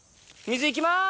「水行きます」。